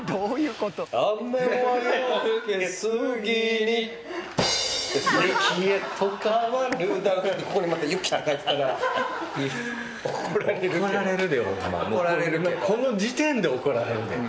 この時点で怒られるで。